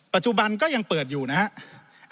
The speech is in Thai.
ปัจจุบันก็ยังเปิดอยู่นะครับ